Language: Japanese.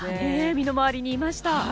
身の回りにいました。